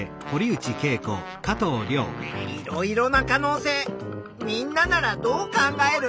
いろいろな可能性みんなならどう考える？